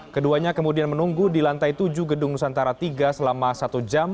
keduanya kemudian menunggu di lantai tujuh gedung nusantara tiga selama satu jam